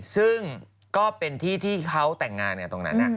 ซึ่งก็เป็นที่ที่เขาแต่งงานกันตรงนั้น